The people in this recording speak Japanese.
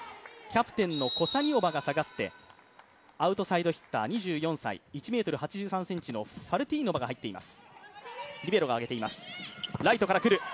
キャプテンのコサニオバが下がってアウトサイドヒッター、２４歳、１ｍ８３ｃｍのファルティーノバが入っています。